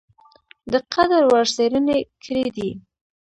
د قدر وړ څېړني کړي دي ۔